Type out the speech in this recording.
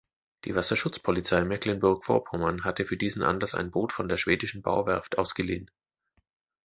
Die Wasserschutzpolizei Mecklenburg-Vorpommern hatte für diesen Anlass ein Boot von der schwedischen Bauwerft ausgeliehen.